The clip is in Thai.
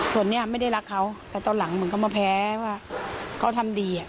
ส่วนนี้ไม่ได้รักเขาแต่ตอนหลังเหมือนเขามาแพ้ว่าเขาทำดี